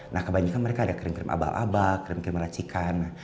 nah kebanyakan mereka ada krim krim abal abal krim krim racikan